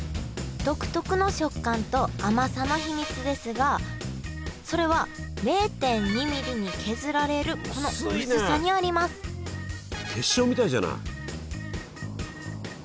独特の食感と甘さの秘密ですがそれは０．２ミリに削られるこの薄さにあります結晶みたいじゃない。